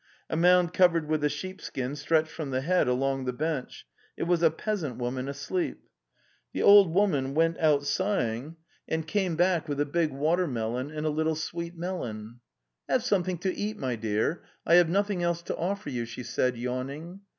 A mound covered with a_ sheepskin stretched from the head along the bench; it was a peasant woman asleep. The old woman wert out sighing, and came 280 The Tales of Chekhov back with a big water melon and a little sweet melon. 'Have something to eat, my dear! I have noth ing else to offer you, ..." she said, yawning.